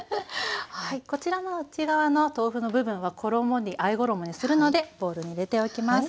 こちらの内側の豆腐の部分はあえ衣にするのでボウルに入れておきます。